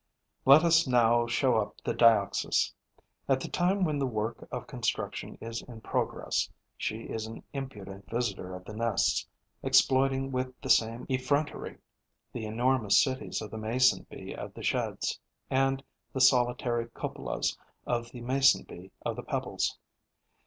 Let us now show up the Dioxys. At the time when the work of construction is in progress, she is an impudent visitor of the nests, exploiting with the same effrontery the enormous cities of the Mason bee of the Sheds and the solitary cupolas of the Mason bee of the Pebbles.